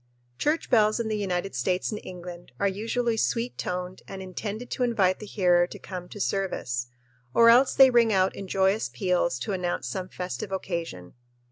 Church bells in the United States and England are usually sweet toned and intended to invite the hearer to come to service, or else they ring out in joyous peals to announce some festive occasion.